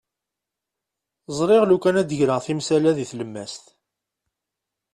Ẓriɣ lukan ad d-greɣ timsal-a deg tlemmast.